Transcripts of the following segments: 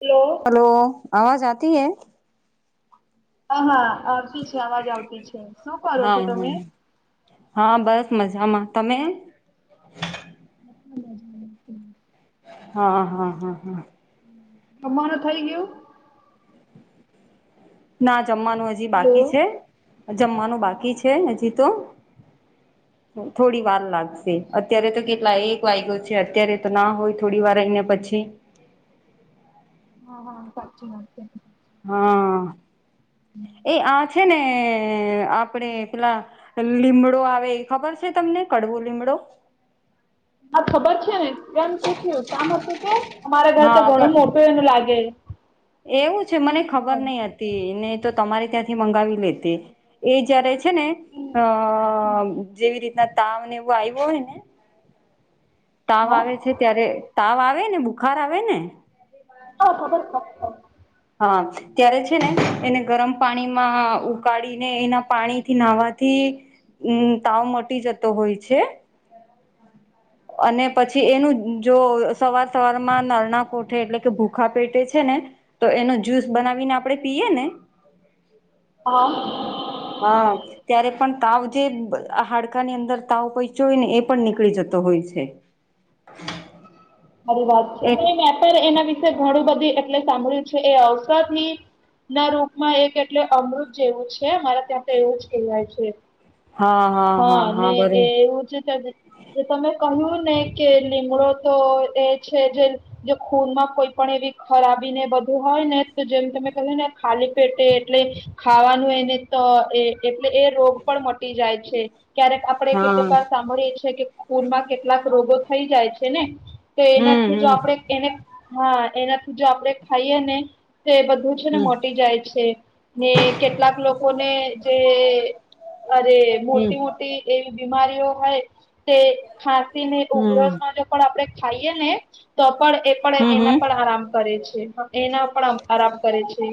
Hello. Hello અવાજ આતી હૈ. હ હા આવતી છે, અવાજ આવતી છે, શું કરો હા છો. હા તમે હા બસ મજામાં તમે, મજા લેતી, હા, હા, હા, હા. તમારે થઈ ગ્યુ. ના જમવાનું હજી હેલો બાકી છે, હા જમવાનું બાકી બાકી છે, હજી તો થોડીવાર લાગશે અત્યારે તો કેટલા એક વાગ્યો છે, અત્યારે તોના હોય થોડીવાર રઈને પછી, હા, હા સાચી વાત છે. હા એ આ છે, ને આપડે પેલા લીમડો આવે એ ખબર છે, તમને કડવો લીમડો. હા ખબર છે, ને કેમ શું થ્યુ કામ હતું કે અમારા ઘર તો ઘણું હા મોટું એનું લાગે, એવું છે, મને ખબર હા નહિ હતી નએતો તમાર ત્યાંથી મંગાવી લેતી. એ જયારે છે, ને અ હા જેવી રીતના તાવને એવું આવ્યું હોય ને. તાવ આવે છે, હા ત્યારે તાવ આવે ને બુખાર આવેને. હવ ખબર છે. હા ત્યારે છે, ને એને ગરમ પાણીમાં ઉકાળીને એના પાણીથી નાહવાથી. તાવ મટી જતો હોય છે, અને પછી એનું જો સવાર સવારમાં નરણાં કોઠે એટલે કે ભૂખા પેટે છે, ને તો એનો જ્યુસ બનાવીને આપણે પીએને, હા હા ત્યારે પણ તાવ જે હાડકાની અંદર તાવ પોચ્યો હોયને એ પણ નીકળી જતો હોય છે. સારી છે, એટ નહી મેં પણ એના વિશે ઘણું બધું એટલે સાંભળ્યું છે. એ અવસઘી ના રૂપમાં એક એટલે અમૃત જેવું છે, મારે ત્યાંતો એવું જ કહેવાય છે. હા મે એ એવું છે, કે જે તમે કહ્યુંને કે લીમડો તોએ છે, જે જો ખૂનમાં કોઈ પણ એવી ખરાબી ને બધું હોયને તો જેમ તમે કહું ને ખાલી પેટે એટલે ખાવાનું એને તોએ, એટલે એ રોગ પણ મટી જાય છે, ક્યારેક આપડે હા કેટલીક વાત સામ બરે છે કે ખૂનમાં કેટલાક રોગો થઈ જાય છે ને તો હમ એનાથી જો હમ આપડે એને હા એનાથી જો આપણેે ખાઈએ નેતો બધું છે ને હમ મટી જાય છે. ને કેટલાક લોકો ને જે અરે હમ મોટી મોટી એવી બીમારીઓ હોય તે ખાસી ને હમ ઉધરસ માટે પણ આપણે ખાઈએ ને તો પણ એ પણ હમ એના હમ પણ આરામ કરે છે. એના પણ આરાપ કરે છે.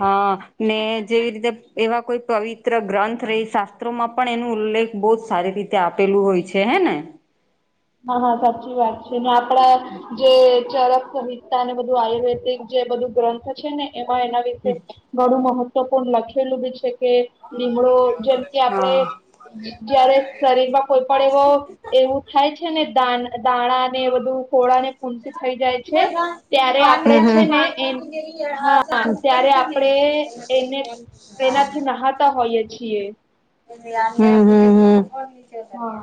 હા ને જેવી રીતે એવા કોઈ પવિત્ર ગ્રંથ રહી શાસ્ત્રોમાં પણ એનો ઉલ્લેખ બહુ જ સારી રીતે આપેલું હોય છે, હે ને હા હા સાચી વાત છે ને આપડા જે ચરક સહિ તા બધું આયુર્વેદિક જે બધું ગ્રંથ છે ને એમાં એના વિશે ઘણું મહત્વપૂર્ણ લખેલું બી છે કે લીમડો જેમ કે આપડે હા જયારે શરીરમાં કોઈ પણ એવો એવું થાય છે ને દાણા ને બધું ખોળા ને ઊટી થઈ જાય છે ત્યારે આપડે છે ને એ હા ત્યારે આપણે એને એનાથી નહતા હોઈય છીએ હમ્મ હમ્મ હમ્મ હા.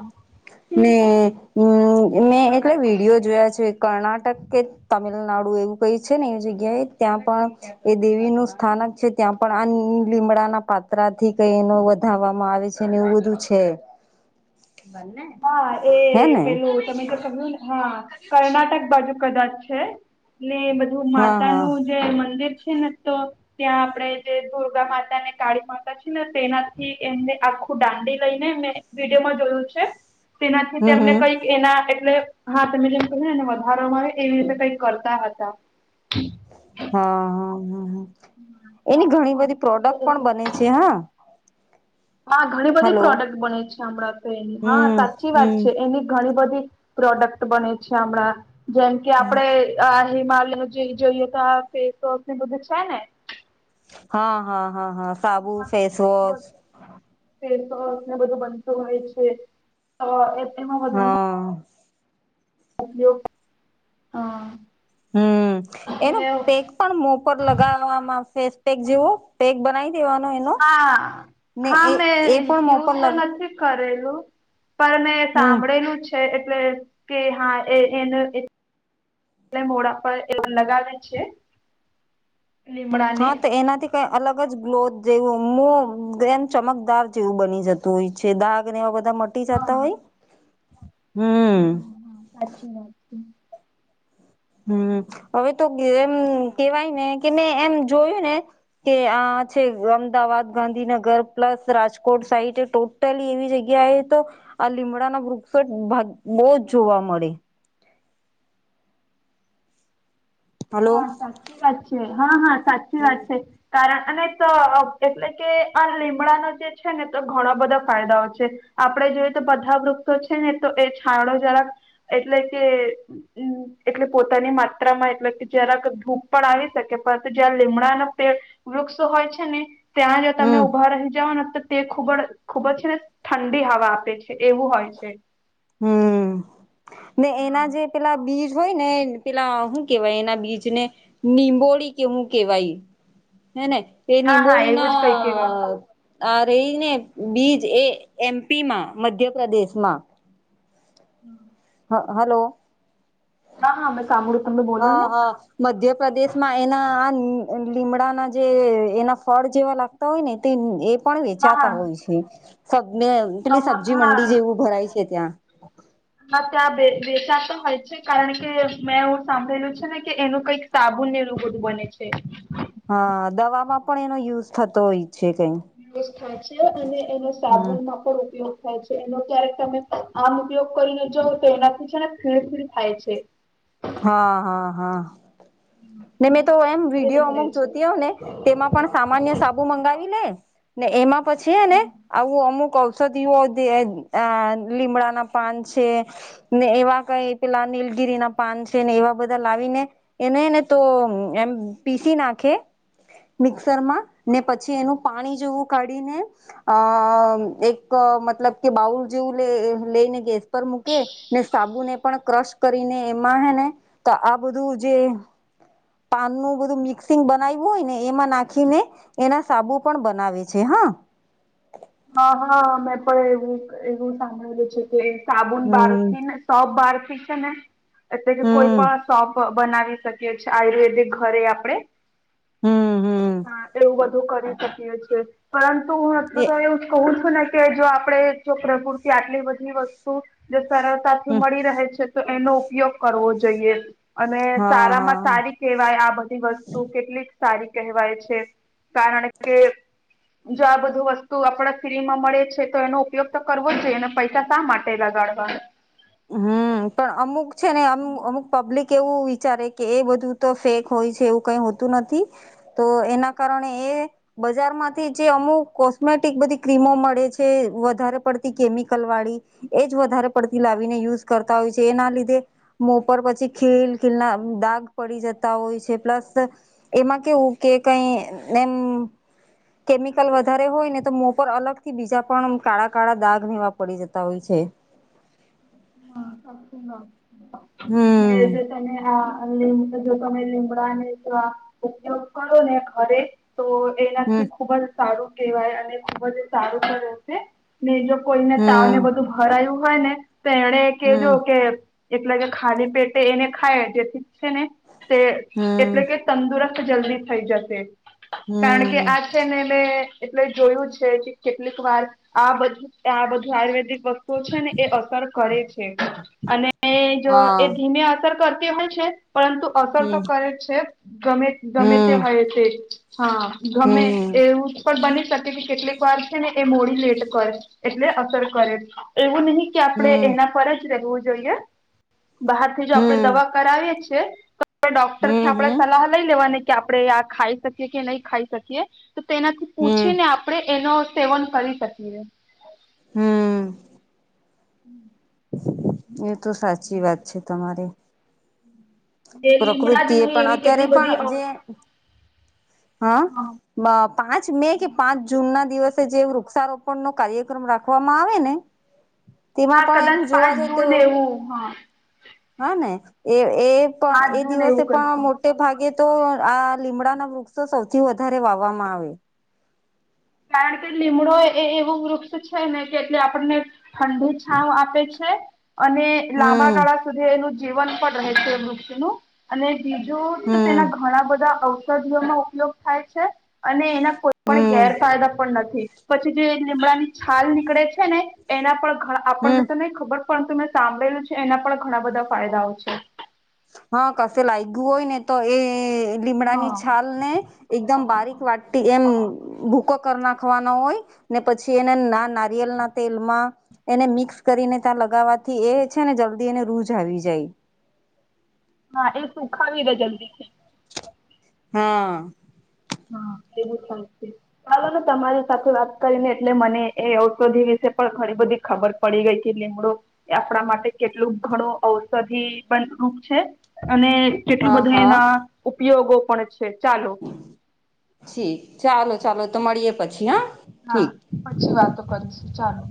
[unintelligible] મેં એટલે વિડીયો જોયા છે કર્ણાટક કે તમિલનાડુ એવું કઈ છે ને એવી જગ્યાએ ત્યાં પણ એ દેવી નું સ્થાનક છે ત્યાં પણ આ લીમડાના પાત્રા થી કઈ નો વ ધાવામાં આવે છે ને એવું બધુ છે. હા એ હે ને પેલું તમે ક્યું ને હા કર્ણાટક બાજુ કદાચ છે ને બ ધુ હા માતા હા નું જે મંદિર છે ને તો ત્યાં આપણે જે દુર્ગા માતા ને કાળી માતા છે ને તેનાથી એમને આખું દાંડી લઈને એને વિડીયોમાં જોયું છે તેનાથી હમ તેમને હમ કઈ એના એટલે હાથ મિનટ ને એને વધારો મળે એવી રીતે કઈક કરતા હતા. હા હા હ હ એની ત્યાં ઘણી બધી પણ પ્રોડક્ટ પવિત્ર પણ એટલે બને છે હા. હા ઘણી બધી હલો પ્રોડક્ટ બને છે હમણાં તો એની હા હમ સાચી વાત હમ છે, એની ઘણી બધી પ્રોડક્ટ બને છે હમણાં જેમ કે આપડે આ હિમાલય જે જોઈએ તો ફેસવોશ બધું છે ને હા હા હા સાબુ ફેસવોશ ફેસવોશ ને બધું બનતું હોય છે એ એમાં બધા મા હા હા. હમ્મ એનો પેક પણ મોપર લગાવવામાં ફેસ પેક જેવો પેક બનાવી દેવાનું. હા હા મેં એ પણ મો યુજ પર તો લગ નથી કરેલું પણ મેં હમ સાંભળેલું છે એટલે કે હા એ એન એટલે મોડા પર એ લોગ લગાવે છે. હા તો એનાથી અલગ જ ગ્લોથ જેવું મુ એમ ચમકદાર જેવું બની જતું હોય છે દાગ ને એવા બધા જતા હોય હા હમ્મ. હા સાચી વાત છે. હમ્મ હવે તો ગેમ કેવાય ને કે એમ જોયું ને કે આ છે અમદાવાદ ગાંધીનગર પ્લસ રાજકોટ સાઈડ તો પહેલી એવી જગ્યાએ તો આ લીમડાના વૃક્ષોટ બહું જ જોવા મળે. હલો હા સાચી વાત છે હા હા સાચી વાત છે. કારણ અને એટલે કે આ લીમડાનો જે છે ને તો ઘણા બધા ફાયદાઓ છે. આપડડે જોઈએ તો બધા વૃક્ષો છે ને તો એ છાયડો જરાક- એટલે કે એટલે પોતાની માત્રામાં એટલે કે જરાક ધૂપ પણ આવી શકે, પરંતુ જયારે લીમડાનો વૃક્ષ હોય છે ને ત્યાં જો તમે હમ ઉભા રહી જાઓ ને તો તે ખૂબ જ ખૂબ જ છે ને ઠંડી હવા આપે છે, એવું હોય છે. હમ્મ ને હા એના જે પેલા બીજ હોય ને પેલા શું કેવાય એના બીજને નિંબોળી કેવું કેવાય હેને એ હા હા એવું જ કઈ કેવાય. નિંબોળીના આ રહી ને બીજ એ એમપીમાં મધ્યપ્રદેશમાં [inaudible] હા હલો. હા હા મેં સાંભળ્યું તમને બોલો હા ને હા મધ્યપ્રદેશમાં એના આ લીમડાનો જે એના ફળ જેવા લાગ હોય ને તે એ પણ હા વેચાતા હા હોય છે. એટલે હમ, સબ્જી હા. મંડી જેવું ભરાય છે ત્યાં માં ત્યાં વેચાતો હોય છે કારણ કે મેં એવું સાંભળેલું છે ને કે એનું કઈક સાબુન ને એવું બધું બને છે. હા દવામાં પણ એનો યુઝ થતો હોય છે કઈ વ થાય છે અને એનો હમ સાબુનમાં પણ ઉપયોગ થાય છે એનો ક્યારેક તમે આમ ઉપયોગ કરીને જાવ તો એનાથી છે ને ફિલ્મ ફિલ્મ થાય છે. હા હા હા. ને મેં તો એનાથી એમ ફીણ વિડીયો નીકળે અમુક છે. જોતી હોય ને તેમાં પણ સામાન્ય સાબુ મંગાવી લે ને એમાં પછીને આવું અમુક અ ઔષધિઓ અ લીમડાના પાન છે ને એવા કઈ પેલા નીલગીરીના પાન છે, ને એવા બધા લાવી ને એને હેને તો એમ પીસી નાખે. મિક્સરમાં ને પછી એનું પાણી જેવું કાઢિ નાખે અ એક મતલબ કે બાઉલ જેવું લઈને ગેસ પર મૂકે. ને સાબુને પણ ક્રશ કરીને એમાં હે ને તો આ બધું જે પાનનું બધું મિક્સિંગ બનાવ્યું હોય ને એમાં નાખીને એના સાબુ પણ બનાવે છે હા. હા હા મેં પણ એવું એવું સાંભળેલું છે કે સાબુન બાર હમ થી ને સોપ બારથી છે ને એટલે કે કોઈ હમ પણ સોપ બનાવી શકીએ છીએ આયુર્વેદિક ઘરે આપણે હમ હમ હા એવું બધું કરી શકીએ છીએ પરંતુ [unintelligible] એ તો એવું કહું છું ને કે જો આપડે જો પ્રકૃતિ આટલી બધી વ સ્તુ સરળતાથી મળી રહે છે તો એનો ઉપયોગ કરવો જોઈએ. અને હા સારામાં હા સારી કહેવાય આ બધી વસ્તુ કેટલીક સારી કહેવાય છે, કારણ કે જો આ બધું વસ્તુ આપડ ફ્રીમાં મળે છે તો એનો ઉપયોગ તો કરવો જોઈએ અને પૈસા શા માટે લગાડવા. હમ્મ પણ અમુક છે ને અમુ અમુક પબ્લિક એવું વિચારે કે એ બધું તો ફેક હોય છે એવું કઈ હોતું નથી તો એના કારણે એ બજારમાંથી જે અમુક કોસ્મેટિક બધી ક્રીમો મળે છે વધારે પડતી કેમિકલવાળી એજ વધારે પડતી લાવીને યુઝ કરતા હોય છે એના લીધે મોં પર પછી ખીલ ખીલના દાગ પડી જતા હોય છે પ્લસ એમાં કેવું કે કઈ એમ કેમિકલ વધારે હોય ને તો મોં પર અલગથી બીજા પણ કાળા કાળા દાગ એવા પડી જતા હોય છે. [inaudible] [unintelligible] હમ્મ. [inaudible] [unintelligible] ઉપયોગ કરોને ઘરે તો હમ એનાથી ખૂબ જ સારું કહેવાય અને ખૂબ જ સારું પણ રહેશે, ને જો કોઈને તાવને હમ બધું ભરાયું હોય ને તો તેને કેેજો હમ કે એટલે કે ખાલી પેટે એને ખાઈએ જેથી છે ને તે હમ એટલે કે તંદુરસ્ત જલ્દી થઈ જશે કારણ કે હમ આ છે ને મે એટલે જોયું છે કે કેટલીકવાર આ બધું આ બધું આયુર્વેદિક વસ્તુઓ છે ને એ અસર કરે છે અને જો એ હા ધીમે અસર કરતી હોય છે પરંતુ અસર તો હમ કરે જ છે, ગમે, ગમે તે હમ હોય તે હા ગમે હમ એવું પણ બની શકે કે કેટલીકવાર છે ને મોડું લેટ કરે, એટલે અસર કરે એવું નહીં કે આ હમ પડે હમ એના પર જ રહેવું જોઈએ. બહારથી જો આપણે હમ દવા કરાવીએ છીએ ડોક્ટરથી આપડે હમ સલાહ લઈ લેવાની કે આપડે આ ખાઈ શકીએ કે નહીં ખાય શકીએ. તો તેનાથી હમ પૂછીને આપડે એનો સેવન કરી શકીએ. હમ્મ. [inaudible] એ તો સાચી વાત છે તમારી તે લીમડા પ્રકૃતિ જ એ નહીં પણ એવી અત્યારે કેટલી બધી અ હ મ પાંચ મે કે પાંચ જૂનના દિવસે જે વૃક્ષારોપણનો કાર્યક્રમ રાખવામાં આવે ને? તેમાં હા પણ, એમ કદાચ જોવા પાંચ જઈએ તો જૂન એવું હા હા ને, એ એ પણ પાંચ એ જૂન દિવસે એવું કઈ પણ છે મો ટેભાગે તો આ લીમડાના વૃક્ષો સૌથી વધારે વાવવામાં આવે. કારણ કે લીમડો એવું વૃક્ષ છે ને કે આપણને ઠંડી છાંવ આપે છે. અને હમ લાંબાગાળા સુધી એનું જીવન પણ રહે છે વૃક્ષનું અને બીજું તેના હમ ઘણાં બધા ઔષધિઓમાં ઉપયોગ થાય છે અને એના કોઈપણ ગેર હમ પણ નથી. પછી જે લીમડાની છાલ નીકળે છે ને એના પણ હમ આપણને તો નય ખબર પણ તમ સાંભળેલું છે એના પણ ઘણાં બધા ફાયદાઓ છે. હા, કસે લાયગુ હોય ને, તો એ લીમડાની હા છાલને.... એકદમ બારીક વાટી એમ ભૂકો કરી નાખવાનો હોય છે ને, પછી એને નાની... નારિયેળના તેલમાં. એને મિક્સ કરીને ત્યાં લગાવવાથી એ છે ને જલ્દી એને રૂઝ આવી જાય છે. હા, એ સુખાવી દે જલદી... હા.... હા, એવું થાય છે. ચાલો ને, તમારી સાથે વાત કરીને એટલે મને એ ઔષધિ વિશે પણ ઘણી બધી ખબર પડી. પડી ગઈ કે લીમડો આપણા માટે કેટલો ઘણો ઔષધીય પણ ખૂબ છે. અને કેટલું હા બધું હા એના ઉપયોગો પણ છે ચાલો.. છે. ચાલો ચાલો તો, મળીયે પછી હા... હા, ઠીક પછી ફરી વાતો કરીશું. ચાલો.